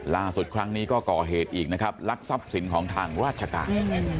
ล่าสุดครั้งนี้ก็ก่อเหตุอีกนะครับลักษับสินของทางราชการ